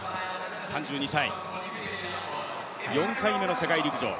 ３２歳、４回目の世界陸上。